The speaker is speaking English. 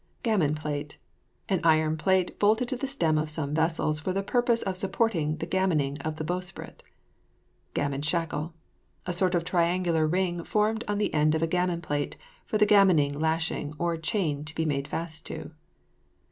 GAMMON PLATE. An iron plate bolted to the stem of some vessels for the purpose of supporting the gammoning of the bowsprit. GAMMON SHACKLE. A sort of triangular ring formed on the end of a gammon plate, for the gammoning lashing or chain to be made fast to.